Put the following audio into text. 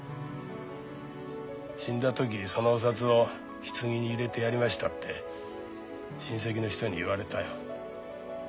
「死んだ時そのお札をひつぎに入れてやりました」って親戚の人に言われたよ。